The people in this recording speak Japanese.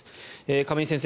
亀井先生